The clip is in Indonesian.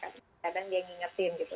kadang dia ngingetin gitu